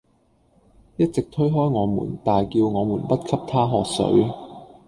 一直推開我們大叫我們不給她喝水